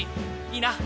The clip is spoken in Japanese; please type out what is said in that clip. いいな？